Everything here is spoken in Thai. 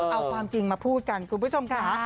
เอาความจริงมาพูดกันคุณผู้ชมค่ะ